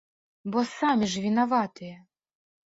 Бо самі ж вінаватыя!